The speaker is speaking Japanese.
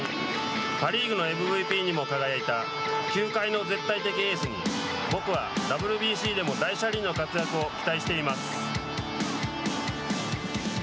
パ・リーグのＭＶＰにも輝いた球界の絶対的エースに僕はＷＢＣでも大車輪の活躍を期待しています。